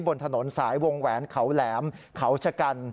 บนถนนสายวงแหวนเขาแหลมเขาชะกัน